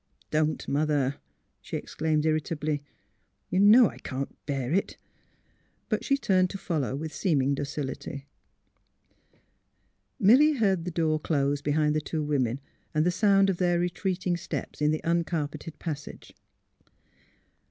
^' Don't, Mother! " she exclaimed, irritably; *' you know I can't bear it." But she turned to follow with seeming docility. 120 THE HEART OF PHILURA Milly heard the door close behind the two women and the sound of their retreating steps in the un carpeted passage.